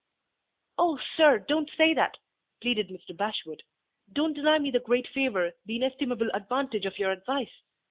"Oh, sir, don't say that!" pleaded Mr. Bashwood. "Don't deny me the great favor, the inestimable advantage of your advice!